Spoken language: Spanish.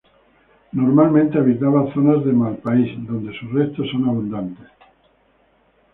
Normalmente habitaba zonas de malpaís, donde sus restos son abundantes.